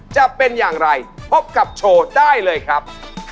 จะเป็นอย่างไรพบกับโชว์ได้เลยครับ